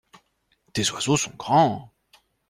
Tes oiseaux sont grands.